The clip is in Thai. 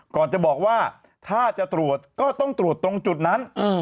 ก่อนจะบอกว่าถ้าจะตรวจก็ต้องตรวจตรงจุดนั้น